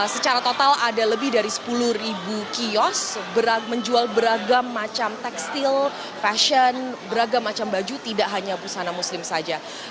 secara total ada lebih dari sepuluh kios menjual beragam macam tekstil fashion beragam macam baju tidak hanya busana muslim saja